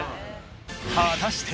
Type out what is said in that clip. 果たして